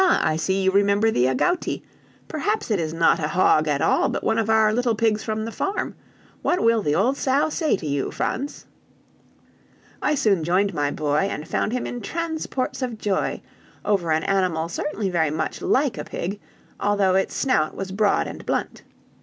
I see you remember the agouti! Perhaps it is not a hog at all but one of our little pigs from the farm. What will the old sow say to you, Franz?" I soon joined my boy, and found him in transports of joy over an animal certainly very much like a pig, although its snout was broad and blunt.